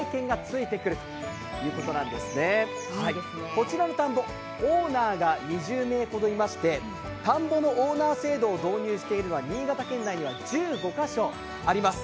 こちらの田んぼ、オーナーが２０名ほどいまして田んぼのオーナー制度を導入しているのは新潟県内には１５カ所あります。